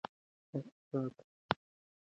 اقتصادي ثبات د بیو کنټرول غواړي.